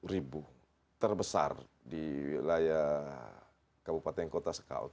delapan ratus dua puluh tujuh ribu terbesar di wilayah kabupaten kota sekal